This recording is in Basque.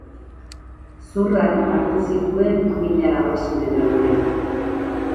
Zurrak hartu zituen mila garrasiren erdian.